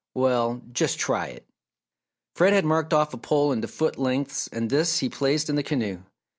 "Well, just try it!" Fred had marked off a pole into foot lengths and this he placed in the canoe.